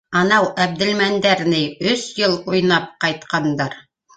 Анау Әбделмәндәр ни өс йыл уйнап ҡайтҡандар.